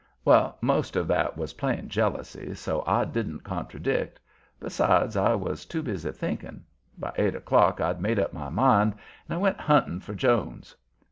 Well, most of that was plain jealousy, so I didn't contradict. Besides I was too busy thinking. By eight o'clock I'd made up my mind and I went hunting for Jones.